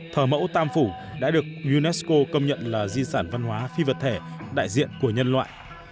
thờ mẫu tam phủ đã được unesco công nhận là di sản văn hóa phi vật thể đại diện của nhân loại